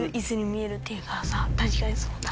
確かにそうだ。